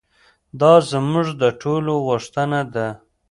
دا زموږ د ټولو غوښتنه ده.